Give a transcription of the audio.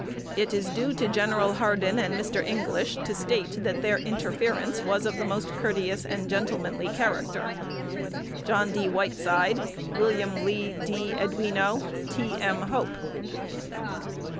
It is due to Gen. Hardin and Mr. English to state that their interference was of the most courteous and gentlemanly character. John D. Whiteside. Wm. Lee D. Ewino. T. M. Hope.